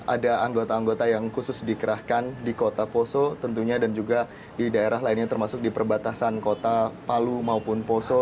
ada anggota anggota yang khusus dikerahkan di kota poso tentunya dan juga di daerah lainnya termasuk di perbatasan kota palu maupun poso